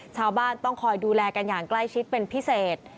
ชาวบ้านต้องคอยดูแลกันอย่างใกล้ชิดเป็นพิเศษ